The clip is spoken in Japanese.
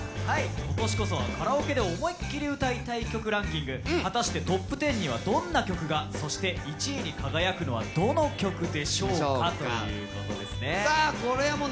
はい今年こそはカラオケで思いっきり歌いたい曲ランキング果たしてＴＯＰ１０にはどんな曲がそして１位に輝くのはどの曲でしょうか？ということですねさあ